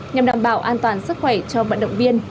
nhằm đảm bảo an toàn sức khỏe cho vận động viên